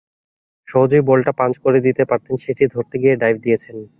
সহজেই বলটা পাঞ্চ করে দিতে পারতেন, সেটি ধরতে গিয়ে ডাইভ দিয়েছেন।